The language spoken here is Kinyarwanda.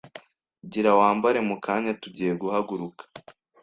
gira wambare mu kanya tugiye guhaguruka”